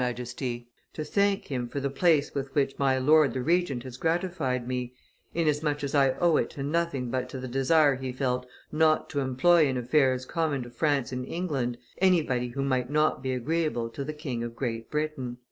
Majesty to thank him for the place with which my lord the Regent has gratified me, inasmuch as I owe it to nothing but to the desire he felt not to employ in affairs common to France and England anybody who might not be agreeable to the King of Great Britain."